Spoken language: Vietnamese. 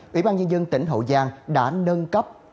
ủy ban nhân dân tỉnh hậu giang đã nâng cấp